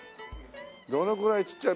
どのぐらいちっちゃい。